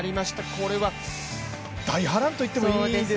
これは大波乱といってもいいですよね。